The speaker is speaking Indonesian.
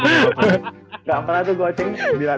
gak apalah tuh gua ceng gini lah